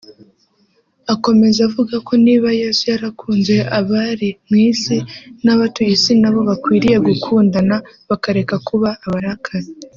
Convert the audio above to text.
Akomeza avuga ko niba Yesu yarakunze abari mu isi n’abatuye isi nabo bakwiriye gukundana bakareka kuba abarakare